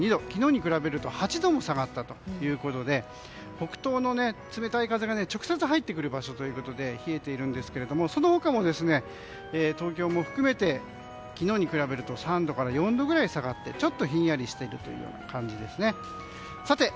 昨日に比べると８度も下がったということで北東の冷たい風が直接入ってくる場所ということで冷えているんですがその他も、東京も含めて昨日に比べると３度から４度ぐらい下がってちょっとひんやりしているという感じですね。